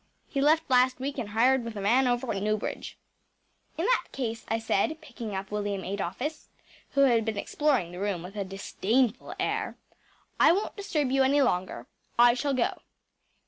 “He left last week and hired with a man over at Newbridge.‚ÄĚ “In that case,‚ÄĚ I said, picking up William Adolphus, who had been exploring the room with a disdainful air, “I won’t disturb you any longer. I shall go.